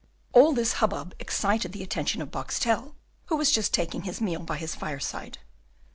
All this hubbub excited the attention of Boxtel, who was just taking his meal by his fireside.